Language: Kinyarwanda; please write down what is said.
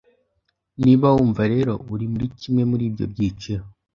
Niba wumva rero uri muri kimwe muri ibyo byiciro,